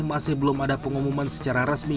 masih belum ada pengumuman secara resmi